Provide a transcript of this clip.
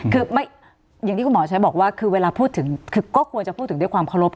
คืออย่างที่คุณหมอใช้บอกว่าคือเวลาพูดถึงคือก็ควรจะพูดถึงด้วยความเคารพ